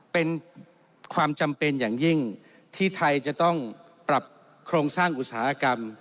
เป็นความจำเป็นอย่างยิ่งที่ไทยจะต้องปรับโครงสร้างอุตสาหกรรม